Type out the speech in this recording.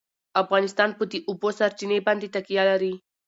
افغانستان په د اوبو سرچینې باندې تکیه لري.